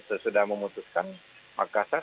sesudah memutuskan makassar